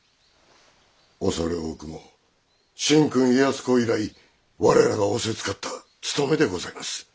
恐れ多くも神君家康公以来我らが仰せつかった務めでございます。